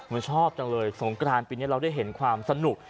มันชอบจังเลยสงกรานปีนี้เราได้เห็นความสนุก